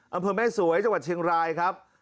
อำเภอแม่สวยจเชียงรายครับ